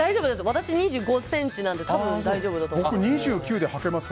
私、２５ｃｍなので多分大丈夫だと思います。